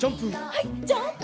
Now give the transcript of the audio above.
はいジャンプ！